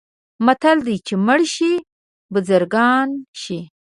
متل دی: چې مړه شي بزرګان شي.